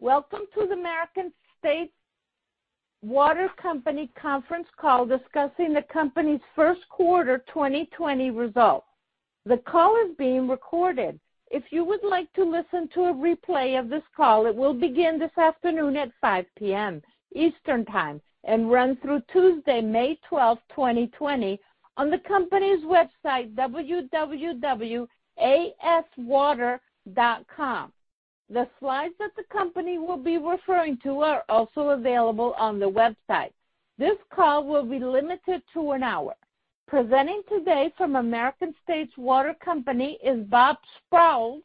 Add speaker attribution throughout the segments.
Speaker 1: Welcome to the American States Water Company Conference Call discussing the company's first quarter 2020 results. The call is being recorded. If you would like to listen to a replay of this call, it will begin this afternoon at 5:00 P.M. Eastern Time and run through Tuesday, May 12, 2020, on the company's website, www.aswater.com. The slides that the company will be referring to are also available on the website. This call will be limited to an hour. Presenting today from American States Water Company is Bob Sprowls,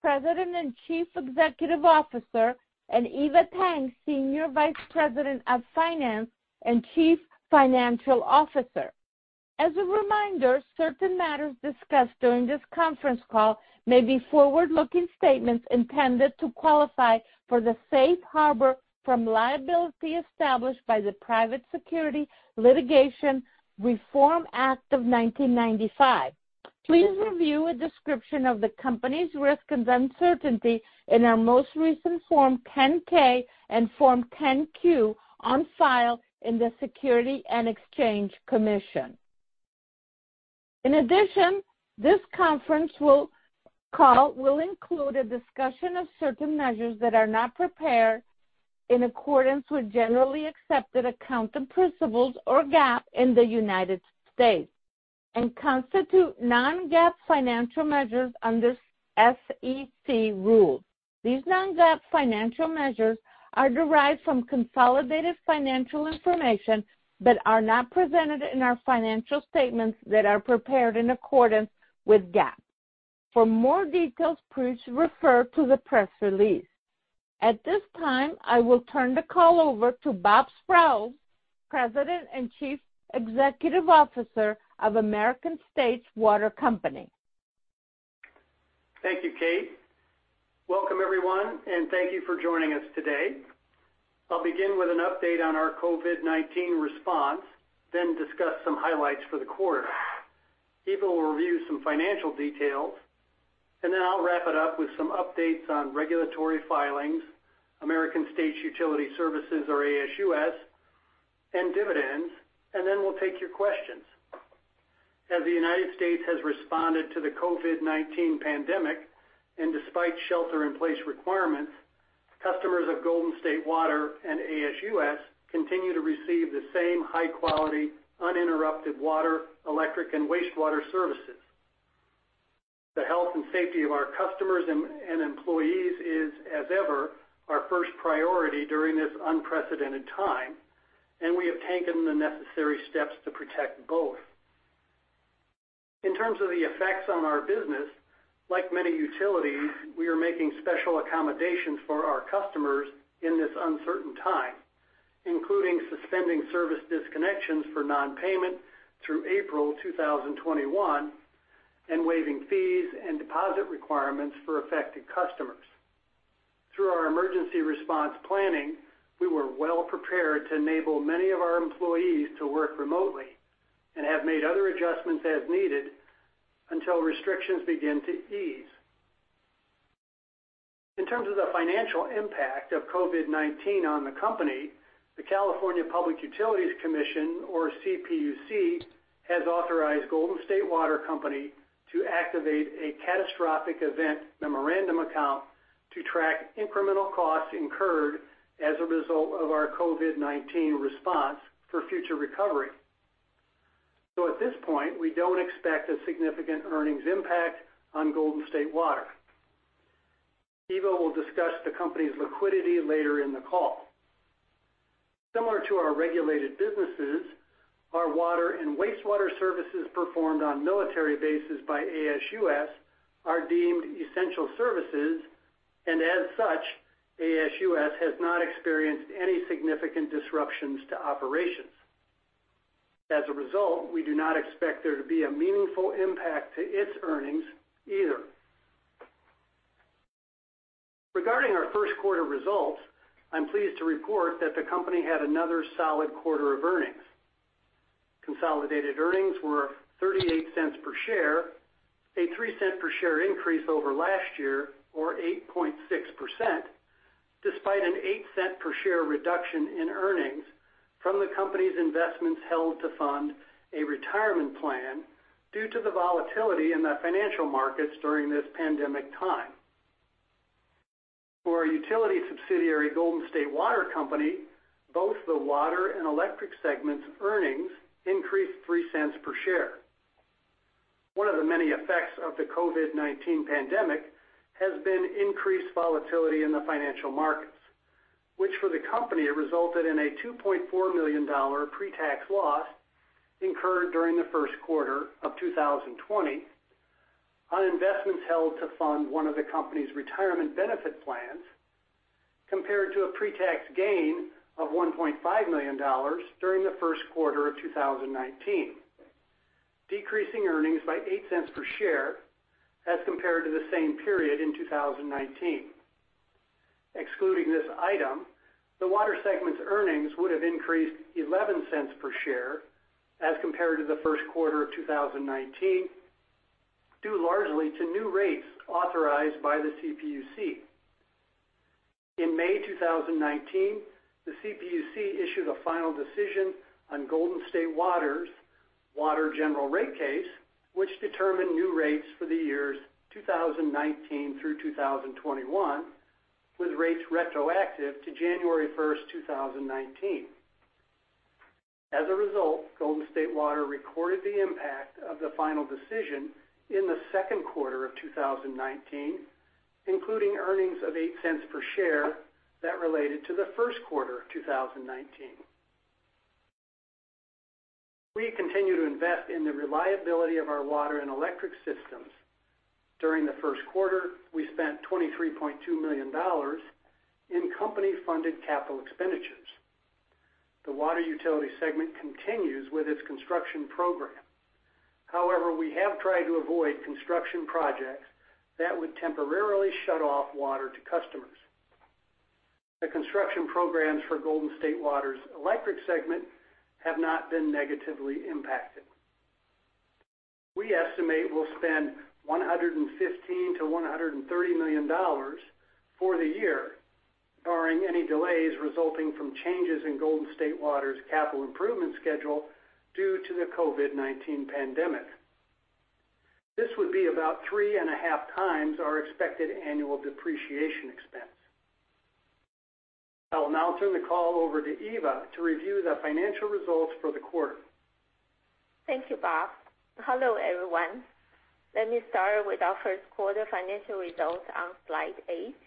Speaker 1: President and Chief Executive Officer, and Eva Tang, Senior Vice President of Finance and Chief Financial Officer. As a reminder, certain matters discussed during this conference call may be forward-looking statements intended to qualify for the safe harbor from liability established by the Private Securities Litigation Reform Act of 1995. Please review a description of the company's risks and uncertainty in our most recent Form 10-K and Form 10-Q on file in the Securities and Exchange Commission. In addition, this conference call will include a discussion of certain measures that are not prepared in accordance with Generally Accepted Accounting Principles or GAAP in the United States and constitute non-GAAP financial measures under SEC rules. These non-GAAP financial measures are derived from consolidated financial information but are not presented in our financial statements that are prepared in accordance with GAAP. For more details, please refer to the press release. At this time, I will turn the call over to Bob Sprowls, President and Chief Executive Officer of American States Water Company.
Speaker 2: Thank you, Kate. Welcome, everyone, and thank you for joining us today. I'll begin with an update on our COVID-19 response, then discuss some highlights for the quarter. Eva will review some financial details, and then I'll wrap it up with some updates on regulatory filings, American States Utility Services, or ASUS, and dividends, and then we'll take your questions. As the United States has responded to the COVID-19 pandemic, and despite shelter-in-place requirements, customers of Golden State Water and ASUS continue to receive the same high-quality, uninterrupted water, electric, and wastewater services. The health and safety of our customers and employees is, as ever, our first priority during this unprecedented time, and we have taken the necessary steps to protect both. In terms of the effects on our business, like many utilities, we are making special accommodations for our customers in this uncertain time, including suspending service disconnections for non-payment through April 2021 and waiving fees and deposit requirements for affected customers. Through our emergency response planning, we were well prepared to enable many of our employees to work remotely and have made other adjustments as needed until restrictions begin to ease. In terms of the financial impact of COVID-19 on the company, the California Public Utilities Commission, or CPUC, has authorized Golden State Water Company to activate a Catastrophic Event Memorandum Account to track incremental costs incurred as a result of our COVID-19 response for future recovery. At this point, we don't expect a significant earnings impact on Golden State Water. Eva will discuss the company's liquidity later in the call. Similar to our regulated businesses, our water and wastewater services performed on military bases by ASUS are deemed essential services, and as such, ASUS has not experienced any significant disruptions to operations. As a result, we do not expect there to be a meaningful impact to its earnings either. Regarding our first quarter results, I'm pleased to report that the company had another solid quarter of earnings. Consolidated earnings were $0.38 per share, a $0.03 per share increase over last year or 8.6%, despite an $0.08 per share reduction in earnings from the company's investments held to fund a retirement plan due to the volatility in the financial markets during this pandemic time. For our utility subsidiary, Golden State Water Company, both the water and electric segment's earnings increased $0.03 per share. One of the many effects of the COVID-19 pandemic has been increased volatility in the financial markets, which for the company resulted in a $2.4 million pre-tax loss incurred during the first quarter of 2020 on investments held to fund one of the company's retirement benefit plans, compared to a pre-tax gain of $1.5 million during the first quarter of 2019, decreasing earnings by $0.08 per share as compared to the same period in 2019. Excluding this item, the water segment's earnings would have increased $0.11 per share as compared to the first quarter of 2019. Due largely to new rates authorized by the CPUC. In May 2019, the CPUC issued a final decision on Golden State Water's water general rate case, which determined new rates for the years 2019 through 2021, with rates retroactive to January 1st, 2019. As a result, Golden State Water recorded the impact of the final decision in the second quarter of 2019, including earnings of $0.08 per share that related to the first quarter of 2019. We continue to invest in the reliability of our water and electric systems. During the first quarter, we spent $23.2 million in company-funded capital expenditures. The water utility segment continues with its construction program. However, we have tried to avoid construction projects that would temporarily shut off water to customers. The construction programs for Golden State Water's electric segment have not been negatively impacted. We estimate we'll spend $115 million-$130 million for the year, barring any delays resulting from changes in Golden State Water's capital improvement schedule due to the COVID-19 pandemic. This would be about 3.5x our expected annual depreciation expense. I'll now turn the call over to Eva to review the financial results for the quarter.
Speaker 3: Thank you, Bob. Hello, everyone. Let me start with our first quarter financial results on slide eight.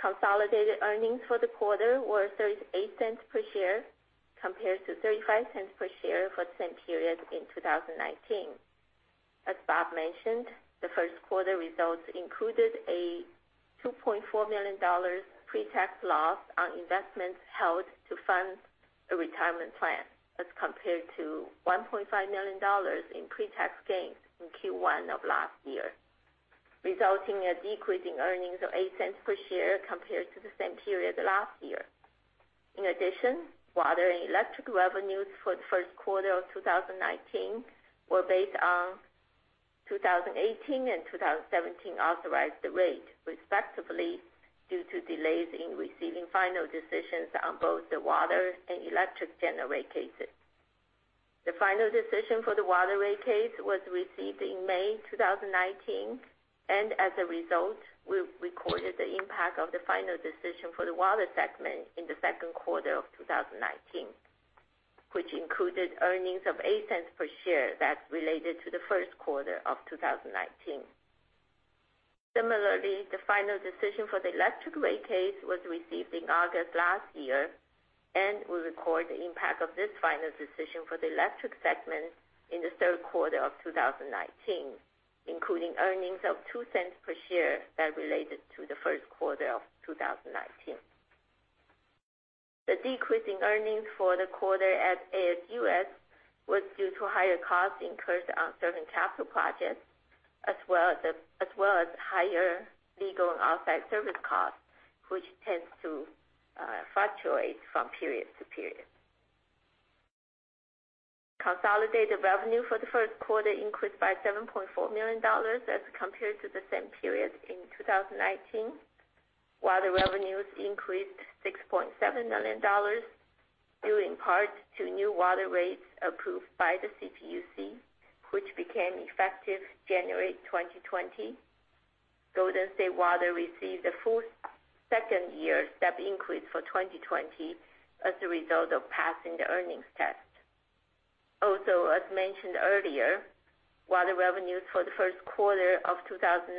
Speaker 3: Consolidated earnings for the quarter were $0.38 per share, compared to $0.35 per share for the same period in 2019. As Bob mentioned, the first quarter results included a $2.4 million pre-tax loss on investments held to fund a retirement plan, as compared to $1.5 million in pre-tax gains in Q1 of last year, resulting in a decrease in earnings of $0.08 per share compared to the same period last year. In addition, water and electric revenues for the first quarter of 2019 were based on 2018 and 2017 authorized rate, respectively, due to delays in receiving final decisions on both the water and electric general rate cases. The final decision for the water rate case was received in May 2019, and as a result, we recorded the impact of the final decision for the water segment in the second quarter of 2019, which included earnings of $0.08 per share that related to the first quarter of 2019. Similarly, the final decision for the electric rate case was received in August last year, and we record the impact of this final decision for the electric segment in the third quarter of 2019, including earnings of $0.02 per share that related to the first quarter of 2019. The decrease in earnings for the quarter at ASUS was due to higher costs incurred on certain capital projects, as well as higher legal and outside service costs, which tends to fluctuate from period to period. Consolidated revenue for the first quarter increased by $7.4 million as compared to the same period in 2019. Water revenues increased $6.7 million, due in part to new water rates approved by the CPUC, which became effective January 2020. Golden State Water received the full second-year step increase for 2020 as a result of passing the earnings test. Also, as mentioned earlier, water revenues for the first quarter of 2019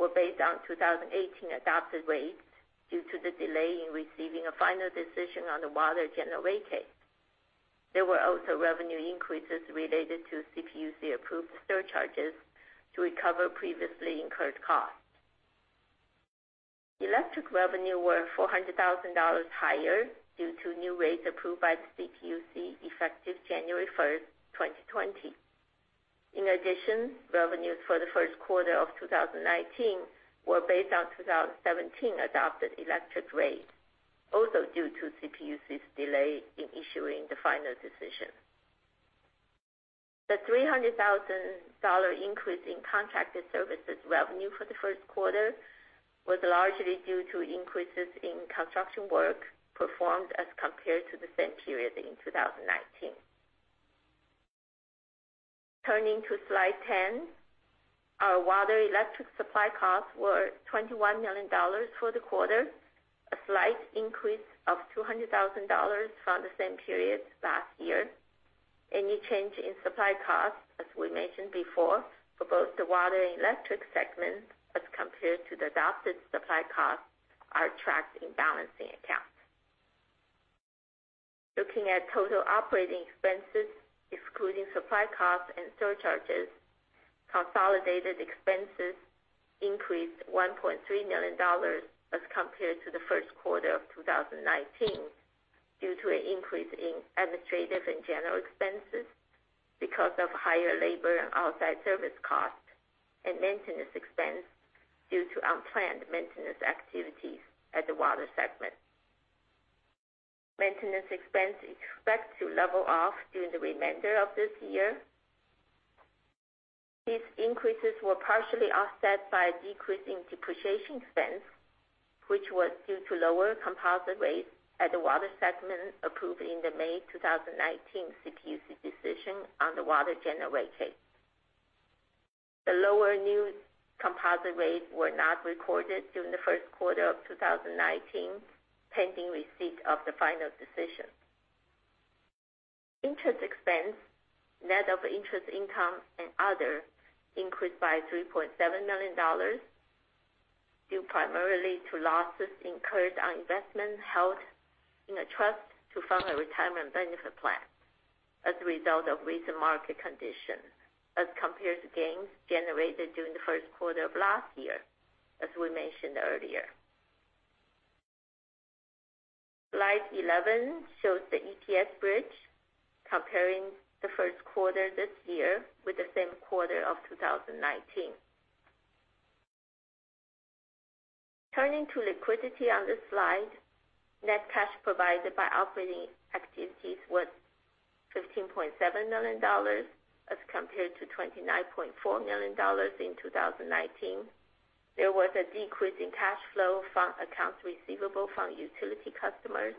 Speaker 3: were based on 2018 adopted rates due to the delay in receiving a final decision on the water general rate case. There were also revenue increases related to CPUC-approved surcharges to recover previously incurred costs. Electric revenue were $400,000 higher due to new rates approved by the CPUC effective January 1st, 2020. In addition, revenues for the first quarter of 2019 were based on 2017 adopted electric rates, also due to CPUC's delay in issuing the final decision. The $300,000 increase in contracted services revenue for the first quarter was largely due to increases in construction work performed as compared to the same period in 2019. Turning to slide 10, our water electric supply costs were $21 million for the quarter, a slight increase of $200,000 from the same period last year. Any change in supply costs, as we mentioned before, for both the water and electric segments as compared to the adopted supply costs are tracked in balancing accounts. Looking at total operating expenses, excluding supply costs and surcharges, consolidated expenses increased $1.3 million as compared to the first quarter of 2019, due to an increase in administrative and general expenses because of higher labor and outside service costs, and maintenance expense due to unplanned maintenance activities at the water segment. Maintenance expense expect to level off during the remainder of this year. These increases were partially offset by a decrease in depreciation expense, which was due to lower composite rates at the water segment approved in the May 2019 CPUC decision on the water general rate case. The lower new composite rates were not recorded during the first quarter of 2019, pending receipt of the final decision. Interest expense, net of interest income and other increased by $3.7 million, due primarily to losses incurred on investment held in a trust to fund our retirement benefit plan as a result of recent market conditions as compared to gains generated during the first quarter of last year, as we mentioned earlier. Slide 11 shows the EPS bridge comparing the first quarter this year with the same quarter of 2019. Turning to liquidity on this slide, net cash provided by operating activities was $15.7 million as compared to $29.4 million in 2019. There was a decrease in cash flow from accounts receivable from utility customers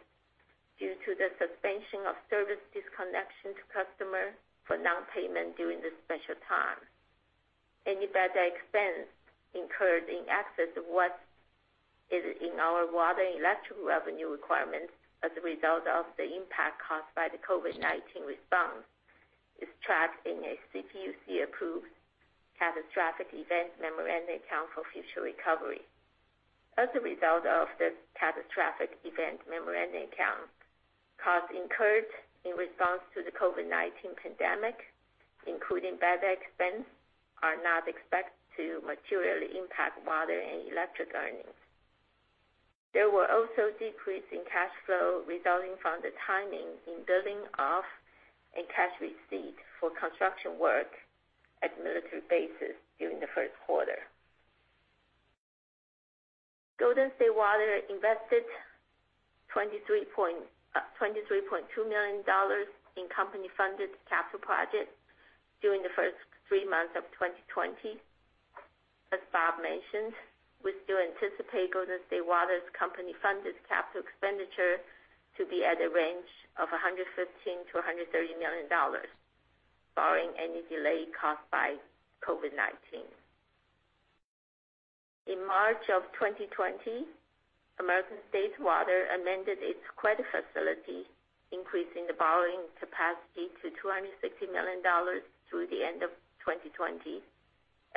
Speaker 3: due to the suspension of service disconnection to customer for non-payment during this special time. Any bad debt expense incurred in excess of what is in our water and electric revenue requirements as a result of the impact caused by the COVID-19 response is tracked in a CPUC-approved Catastrophic Event Memorandum Account for future recovery. As a result of this Catastrophic Event Memorandum Account, costs incurred in response to the COVID-19 pandemic, including bad debt expense, are not expected to materially impact water and electric earnings. There were also decrease in cash flow resulting from the timing in billing off and cash received for construction work at military bases during the first quarter. Golden State Water invested $23.2 million in company-funded capital projects during the first three months of 2020. As Bob mentioned, we still anticipate Golden State Water's company-funded capital expenditure to be at a range of $115 million-$130 million, barring any delay caused by COVID-19. In March of 2020, American States Water amended its credit facility, increasing the borrowing capacity to $260 million through the end of 2020,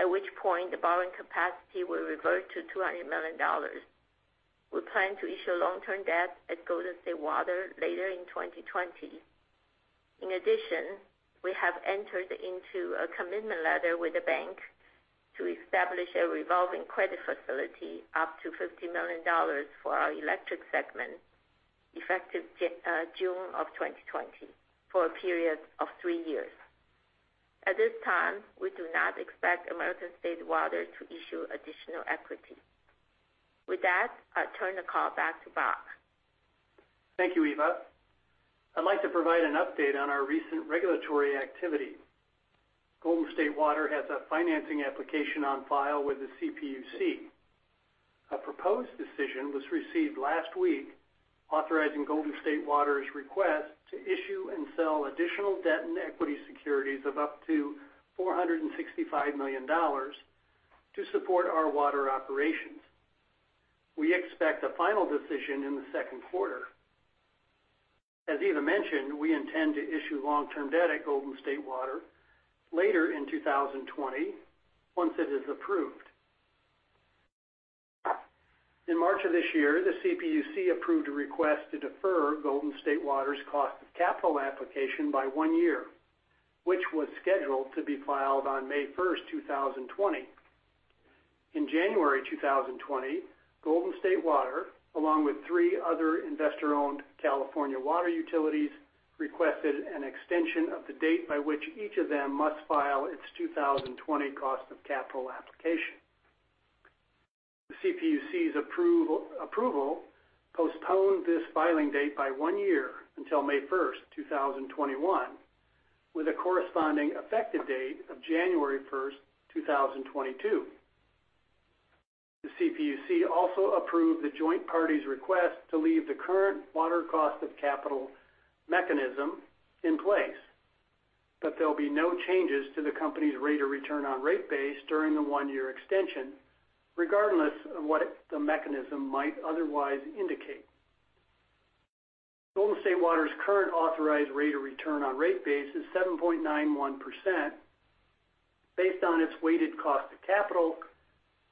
Speaker 3: at which point the borrowing capacity will revert to $200 million. We plan to issue long-term debt at Golden State Water later in 2020. In addition, we have entered into a commitment letter with a bank to establish a revolving credit facility up to $50 million for our electric segment effective June of 2020 for a period of three years. At this time, we do not expect American States Water to issue additional equity. With that, I'll turn the call back to Bob.
Speaker 2: Thank you, Eva. I'd like to provide an update on our recent regulatory activity. Golden State Water has a financing application on file with the CPUC. A proposed decision was received last week authorizing Golden State Water's request to issue and sell additional debt and equity securities of up to $465 million to support our water operations. We expect a final decision in the second quarter. As Eva mentioned, we intend to issue long-term debt at Golden State Water later in 2020 once it is approved. In March of this year, the CPUC approved a request to defer Golden State Water's cost of capital application by one year, which was scheduled to be filed on May 1st, 2020. In January 2020, Golden State Water, along with three other investor-owned California water utilities, requested an extension of the date by which each of them must file its 2020 cost of capital application. The CPUC's approval postponed this filing date by one year until May 1st, 2021, with a corresponding effective date of January 1st, 2022. The CPUC also approved the joint parties' request to leave the current Water Cost of Capital Mechanism in place. There'll be no changes to the company's rate of return on rate base during the one-year extension, regardless of what the mechanism might otherwise indicate. Golden State Water's current authorized rate of return on rate base is 7.91% based on its weighted cost of capital,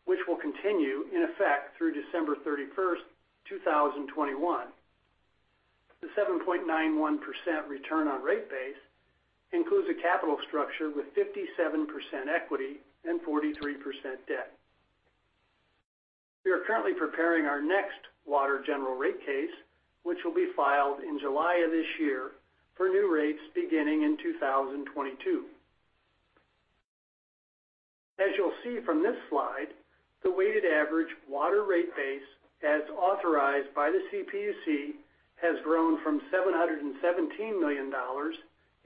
Speaker 2: which will continue in effect through December 31st, 2021. The 7.91% return on rate base includes a capital structure with 57% equity and 43% debt. We are currently preparing our next water general rate case, which will be filed in July of this year for new rates beginning in 2022. As you'll see from this slide, the weighted average water rate base, as authorized by the CPUC, has grown from $717 million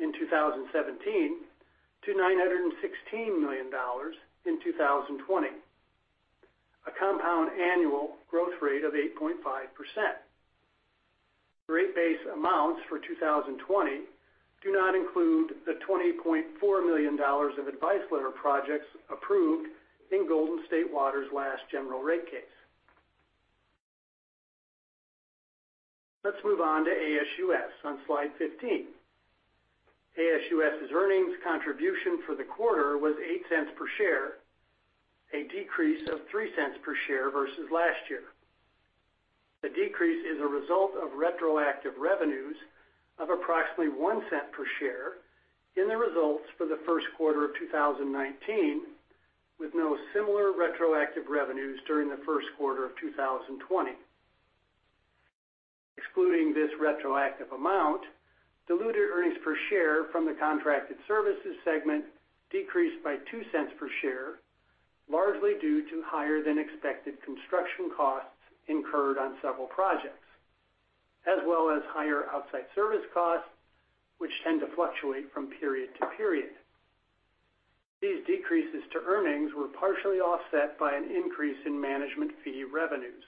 Speaker 2: in 2017 to $916 million in 2020, a compound annual growth rate of 8.5%. The rate base amounts for 2020 do not include the $20.4 million of advice letter projects approved in Golden State Water's last general rate case. Let's move on to ASUS on slide 15. ASUS's earnings contribution for the quarter was $0.08 per share, a decrease of $0.03 per share versus last year. The decrease is a result of retroactive revenues of approximately $0.01 per share in the results for the first quarter of 2019, with no similar retroactive revenues during the first quarter of 2020. Excluding this retroactive amount, diluted earnings per share from the contracted services segment decreased by $0.02 per share, largely due to higher than expected construction costs incurred on several projects, as well as higher outside service costs, which tend to fluctuate from period to period. These decreases to earnings were partially offset by an increase in management fee revenues.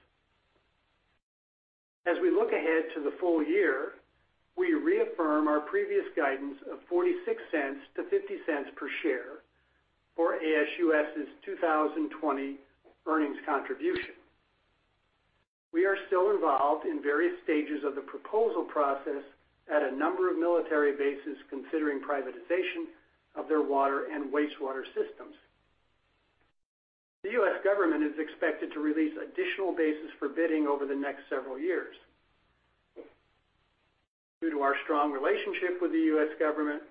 Speaker 2: As we look ahead to the full year, we reaffirm our previous guidance of $0.46-$0.50 per share for ASUS's 2020 earnings contribution. We are still involved in various stages of the proposal process at a number of military bases considering privatization of their water and wastewater systems. The U.S. government is expected to release additional bases for bidding over the next several years. Due to our strong relationship with the U.S. government,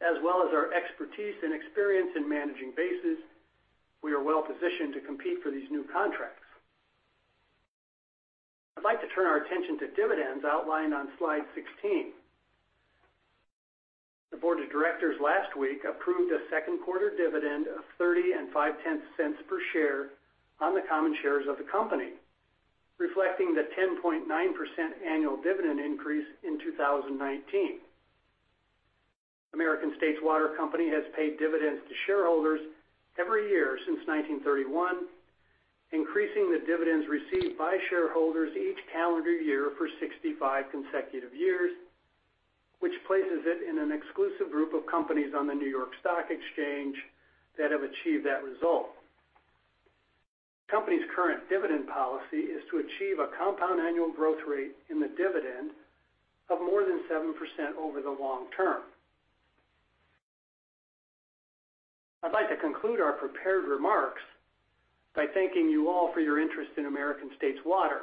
Speaker 2: as well as our expertise and experience in managing bases, we are well-positioned to compete for these new contracts. I'd like to turn our attention to dividends outlined on slide 16. The board of directors last week approved a second quarter dividend of $0.305 per share on the common shares of the company, reflecting the 10.9% annual dividend increase in 2019. American States Water Company has paid dividends to shareholders every year since 1931, increasing the dividends received by shareholders each calendar year for 65 consecutive years, which places it in an exclusive group of companies on the New York Stock Exchange that have achieved that result. The company's current dividend policy is to achieve a compound annual growth rate in the dividend of more than 7% over the long term. I'd like to conclude our prepared remarks by thanking you all for your interest in American States Water.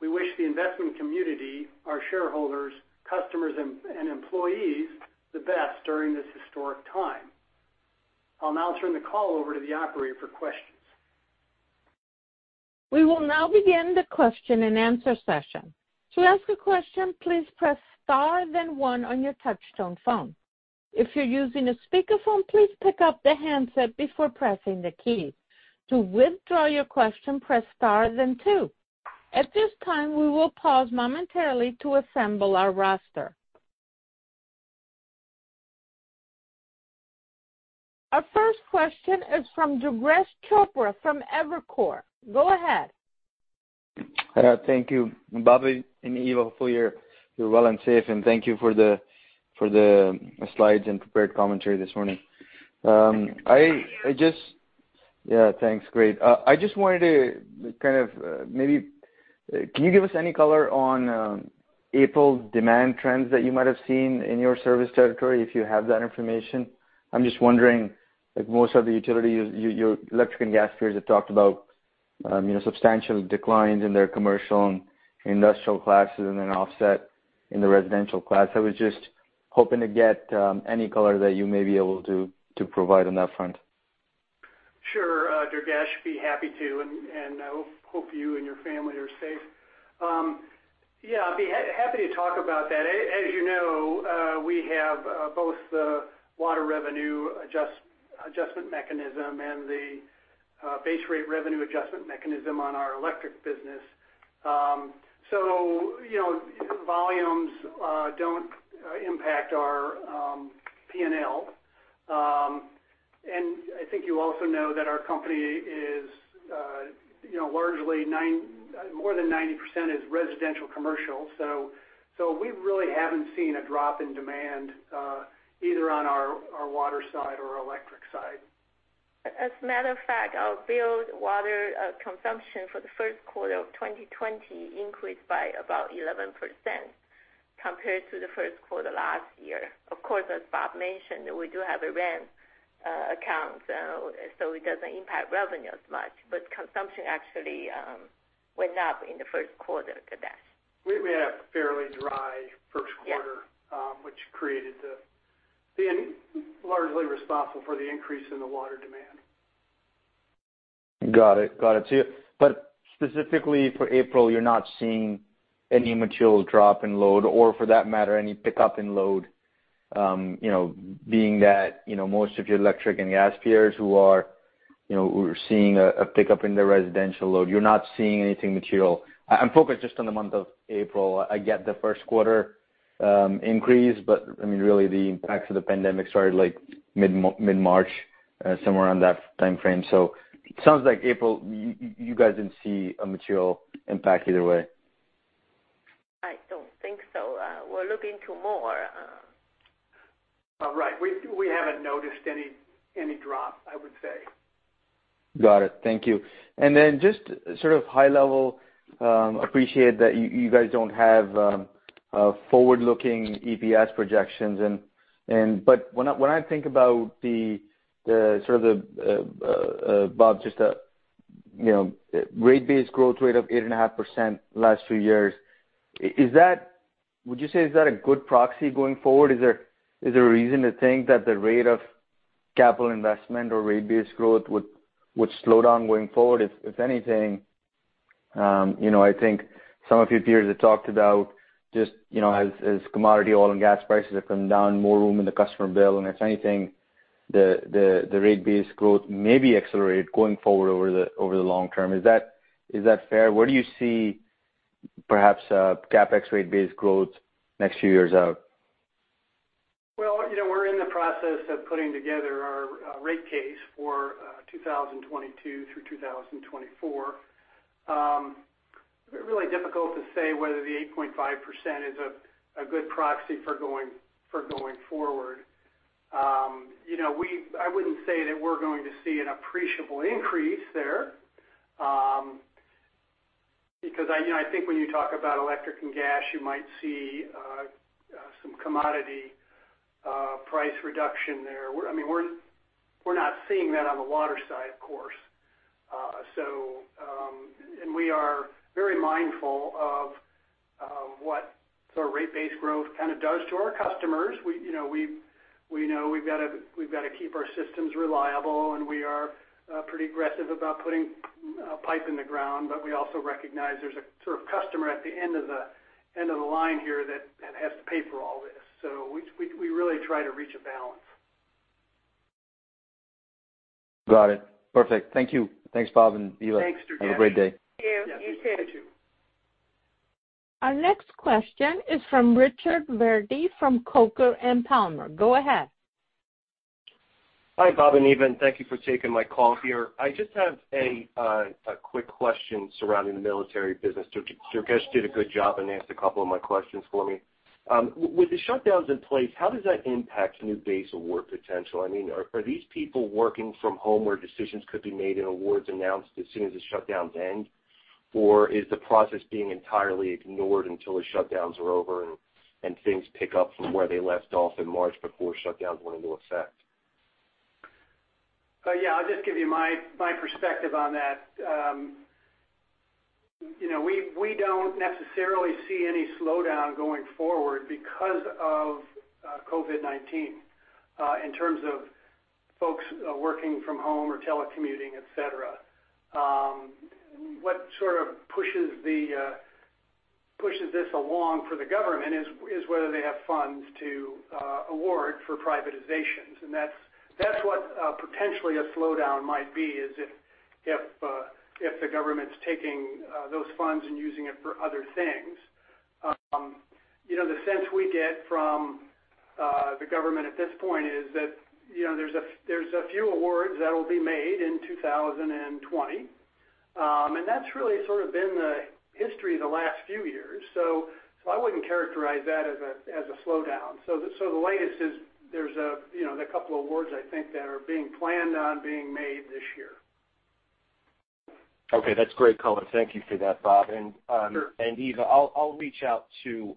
Speaker 2: We wish the investment community, our shareholders, customers, and employees the best during this historic time. I'll now turn the call over to the operator for questions.
Speaker 1: We will now begin the question-and-answer session. To ask a question, please press star then one on your touch tone phone. If you're using a speakerphone, please pick up the handset before pressing the key. To withdraw your question, press star then two. At this time, we will pause momentarily to assemble our roster. Our first question is from Durgesh Chopra from Evercore. Go ahead.
Speaker 4: Thank you, Bobby and Eva. Hopefully, you're well and safe, and thank you for the slides and prepared commentary this morning.
Speaker 2: Thank you.
Speaker 4: Yeah, thanks. Great. I just wanted to kind of maybe, can you give us any color on April demand trends that you might have seen in your service territory, if you have that information? I'm just wondering, like most of the utility, your electric and gas peers have talked about substantial declines in their commercial and industrial classes and then offset in the residential class. I was just hoping to get any color that you may be able to provide on that front.
Speaker 2: Sure, Durgesh, be happy to. I hope you and your family are safe. Yeah, I'd be happy to talk about that. As you know, we have both the Water Revenue Adjustment Mechanism and the Base Rate Revenue Adjustment Mechanism on our electric business. Volumes don't impact our P&L. I think you also know that our company is largely more than 90% is residential commercial. We really haven't seen a drop in demand either on our water side or electric side.
Speaker 3: As a matter of fact, our billed water consumption for the first quarter of 2020 increased by about 11% compared to the first quarter last year. Of course, as Bob mentioned, we do have a WRAM account, so it doesn't impact revenue as much. Consumption actually went up in the first quarter, Durgesh.
Speaker 2: We had a fairly dry first quarter-
Speaker 3: Yeah.
Speaker 2: Which created the-- largely responsible for the increase in the water.
Speaker 4: Got it. Specifically for April, you're not seeing any material drop in load or for that matter, any pickup in load, being that most of your electric and gas peers who are seeing a pickup in their residential load, you're not seeing anything material. I'm focused just on the month of April. I get the first quarter increase, but really the impact of the pandemic started mid-March, somewhere around that timeframe. It sounds like April, you guys didn't see a material impact either way.
Speaker 3: I don't think so. We're looking to more.
Speaker 2: Right. We haven't noticed any drop, I would say.
Speaker 4: Got it. Thank you. Then just high level, appreciate that you guys don't have forward-looking EPS projections. When I think about the Bob, just the rate base growth rate of 8.5% last few years, would you say, is that a good proxy going forward? Is there a reason to think that the rate of capital investment or rate base growth would slow down going forward? If anything, I think some of your peers have talked about just as commodity oil and gas prices have come down, more room in the customer bill, and if anything, the rate base growth may be accelerated going forward over the long term. Is that fair? Where do you see perhaps, CapEx rate base growth next few years out?
Speaker 2: Well, we're in the process of putting together our rate case for 2022 through 2024. Really difficult to say whether the 8.5% is a good proxy for going forward. I wouldn't say that we're going to see an appreciable increase there, because I think when you talk about electric and gas, you might see some commodity price reduction there. We're not seeing that on the water side, of course. We are very mindful of what rate base growth does to our customers. We know we've got to keep our systems reliable, and we are pretty aggressive about putting pipe in the ground, but we also recognize there's a customer at the end of the line here that has to pay for all this. We really try to reach a balance.
Speaker 4: Got it. Perfect. Thank you. Thanks, Bob and Eva.
Speaker 2: Thanks, Dirk.
Speaker 4: Have a great day.
Speaker 3: Yeah, you too.
Speaker 2: You too.
Speaker 1: Our next question is from Richard Verdi from Coker & Palmer. Go ahead.
Speaker 5: Hi, Bob and Eva, thank you for taking my call here. I just have a quick question surrounding the military business. Durgesh did a good job and answered a couple of my questions for me. With the shutdowns in place, how does that impact new base award potential? Are these people working from home where decisions could be made and awards announced as soon as the shutdowns end? Is the process being entirely ignored until the shutdowns are over and things pick up from where they left off in March before shutdowns went into effect?
Speaker 2: Yeah, I'll just give you my perspective on that. We don't necessarily see any slowdown going forward because of COVID-19, in terms of folks working from home or telecommuting, et cetera. What sort of pushes this along for the government is whether they have funds to award for privatizations. That's what potentially a slowdown might be, is if the government's taking those funds and using it for other things. The sense we get from the government at this point is that there's a few awards that'll be made in 2020. That's really sort of been the history the last few years. I wouldn't characterize that as a slowdown. The latest is there's a couple awards I think, that are being planned on being made this year.
Speaker 5: Okay. That's great color. Thank you for that, Bob.
Speaker 2: Sure.
Speaker 5: Eva, I'll reach out to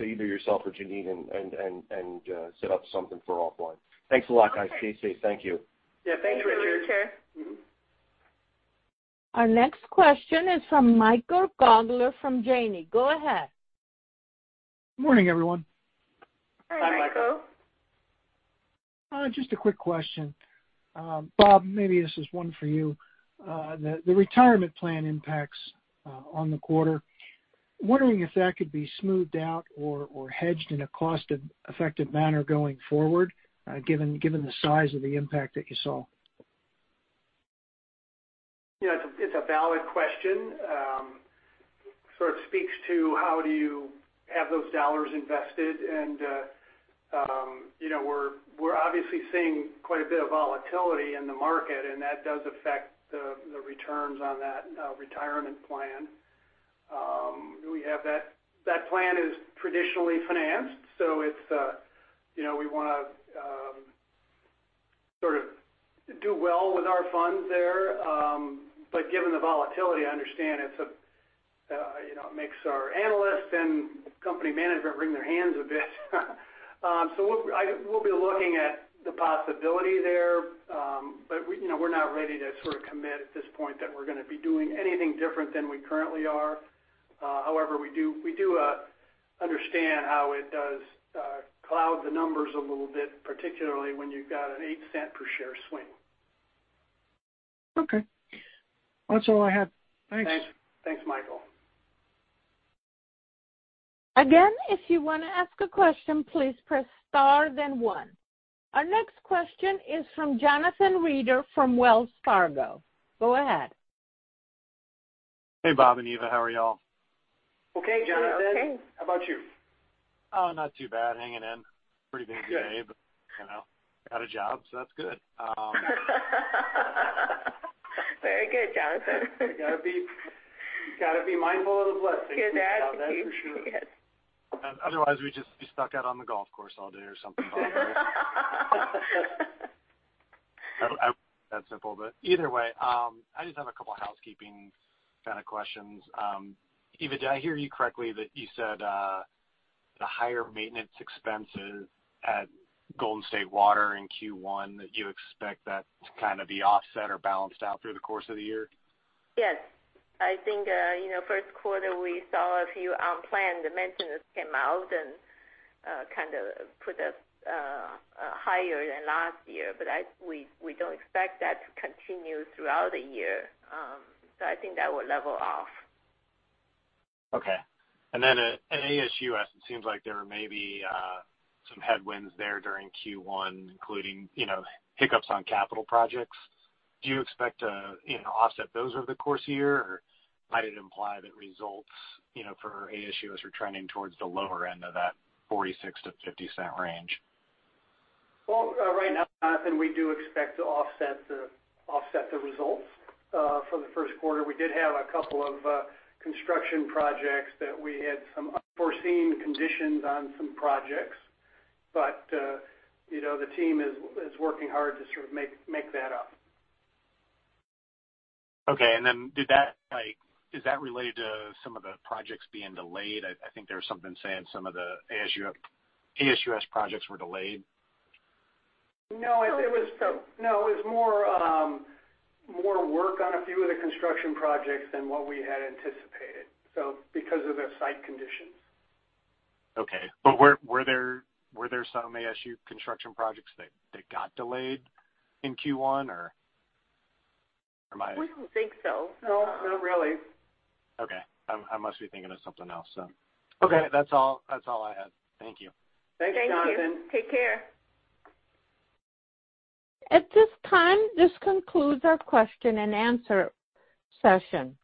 Speaker 5: either yourself or Janine and set up something for offline. Thanks a lot, guys.
Speaker 3: Okay.
Speaker 5: Stay safe. Thank you.
Speaker 2: Yeah. Thank you, Richard.
Speaker 3: Thank you, Richard.
Speaker 1: Our next question is from Michael Gaugler from Janney. Go ahead.
Speaker 6: Morning, everyone.
Speaker 2: Hi, Michael.
Speaker 3: Hi, Michael.
Speaker 6: Just a quick question. Bob, maybe this is one for you. The retirement plan impacts on the quarter, wondering if that could be smoothed out or hedged in a cost-effective manner going forward given the size of the impact that you saw?
Speaker 2: It's a valid question. Sort of speaks to how do you have those dollars invested, and we're obviously seeing quite a bit of volatility in the market, and that does affect the returns on that retirement plan. That plan is traditionally financed, so we want to do well with our funds there. Given the volatility, I understand it makes our analysts and company management wring their hands a bit. We'll be looking at the possibility there, but we're not ready to commit at this point that we're going to be doing anything different than we currently are. We do understand how it does cloud the numbers a little bit, particularly when you've got an $0.08 per share swing.
Speaker 6: Okay. That's all I had. Thanks.
Speaker 2: Thanks, Michael.
Speaker 1: Again, if you want to ask a question, please press star then one. Our next question is from Jonathan Reeder from Wells Fargo. Go ahead.
Speaker 7: Hey, Bob and Eva. How are y'all?
Speaker 2: Okay, Jonathan.
Speaker 3: We're okay.
Speaker 2: How about you?
Speaker 7: Oh, not too bad. Hanging in. Pretty busy day.
Speaker 2: Good.
Speaker 7: Got a job, so that's good.
Speaker 3: Very good, Jonathan.
Speaker 2: You gotta be mindful of the blessings.
Speaker 3: Hear that?
Speaker 2: That's for sure.
Speaker 3: Yes.
Speaker 7: Otherwise, we'd just be stuck out on the golf course all day or something like that. That simple. Either way, I just have a couple housekeeping kind of questions. Eva, did I hear you correctly that you said, the higher maintenance expenses at Golden State Water in Q1, that you expect that to kind of be offset or balanced out through the course of the year?
Speaker 3: Yes. I think first quarter we saw a few unplanned maintenance came out and put us higher than last year. We don't expect that to continue throughout the year. I think that will level off.
Speaker 7: Okay. At ASUS, it seems like there may be some headwinds there during Q1, including hiccups on capital projects. Do you expect to offset those over the course of the year? Might it imply that results for ASUS are trending towards the lower end of that $0.46-$0.50 range?
Speaker 2: Well, right now, Jonathan, we do expect to offset the results for the first quarter. We did have a couple of construction projects that we had some unforeseen conditions on some projects. The team is working hard to sort of make that up.
Speaker 7: Okay. Is that related to some of the projects being delayed? I think there was something saying some of the ASUS projects were delayed.
Speaker 3: No.
Speaker 2: No, it was more work on a few of the construction projects than what we had anticipated, so because of the site conditions.
Speaker 7: Okay. Were there some ASUS construction projects that got delayed in Q1?
Speaker 3: We don't think so.
Speaker 2: No, not really.
Speaker 7: Okay. I must be thinking of something else. Okay, that's all I had. Thank you.
Speaker 2: Thanks, Jonathan.
Speaker 3: Thank you. Take care.
Speaker 1: At this time, this concludes our question-and-answer session.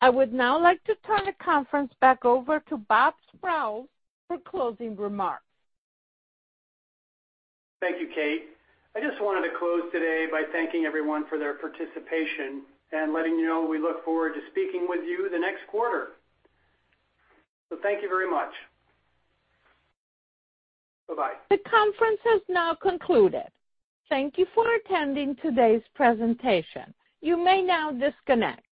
Speaker 1: I would now like to turn the conference back over to Bob Sprowls for closing remarks.
Speaker 2: Thank you, Kate. I just wanted to close today by thanking everyone for their participation and letting you know we look forward to speaking with you the next quarter. Thank you very much. Bye-bye.
Speaker 1: The conference has now concluded. Thank you for attending today's presentation. You may now disconnect.